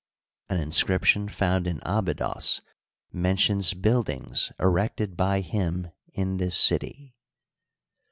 An inscription found in Abydos mentions buildings erected by him in this city.